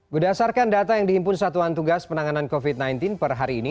berdasarkan data yang dihimpun satuan tugas penanganan covid sembilan belas per hari ini